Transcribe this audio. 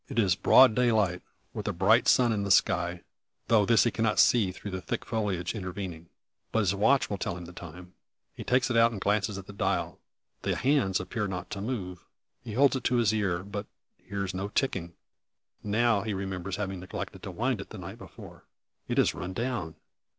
It is broad daylight, with a bright sun in the sky; though this he cannot see through the thick foliage intervening. But his watch will tell him the time. He takes it out and glances at the dial. The hands appear not to move! He holds it to his ear, but hears no ticking. Now, he remembers having neglected to wind it up the night before. It has run down!